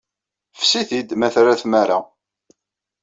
Fsi-t-id, ma terra tmara.